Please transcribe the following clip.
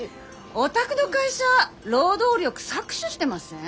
お宅の会社労働力搾取してません？